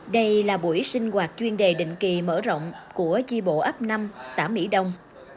đây là buổi sinh hoạt chuyên đề định kỳ mở rộng của chi bộ ấp năm xã mỹ đông